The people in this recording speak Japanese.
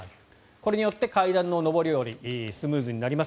これによって階段の上り下りがスムーズになります。